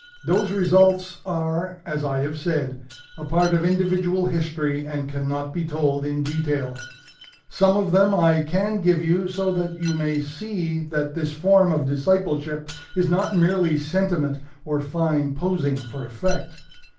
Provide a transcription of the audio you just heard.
Those results are, as I have said, a part of individual history and cannot be told in detail. Some of them I can give you so that you may see that this form of discipleship is not merely sentiment or fine posing for effect.